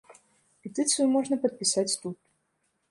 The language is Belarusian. Петыцыю можна падпісаць тут.